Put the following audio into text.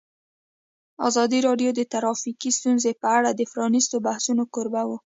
ازادي راډیو د ټرافیکي ستونزې په اړه د پرانیستو بحثونو کوربه وه.